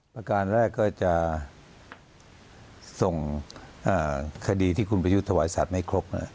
ประการแรกก็จะส่งคดีที่คุณประยุทธ์ถวายสัตว์ไม่ครบ